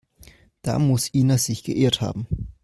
Da muss Ina sich geirrt haben.